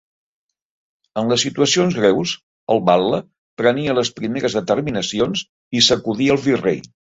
En les situacions greus el batle prenia les primeres determinacions i s'acudia al Virrei.